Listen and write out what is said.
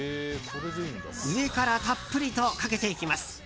上からたっぷりとかけていきます。